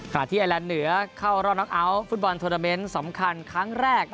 ที่ไอแลนด์เหนือเข้ารอบน้องเอาท์ฟุตบอลโทรนาเมนต์สำคัญครั้งแรก